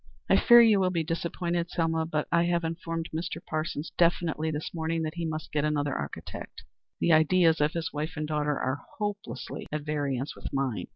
"I fear you will be disappointed, Selma, but I have informed Mr. Parsons definitely this morning, that he must get another architect. The ideas of his wife and daughter are hopelessly at variance with mine.